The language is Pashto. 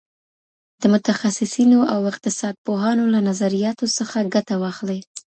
د متخصصینو او اقتصاد پوهانو له نظرياتو څخه ګټه واخلئ.